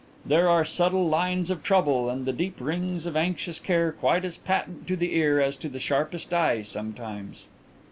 There are subtle lines of trouble and the deep rings of anxious care quite as patent to the ear as to the sharpest eye sometimes."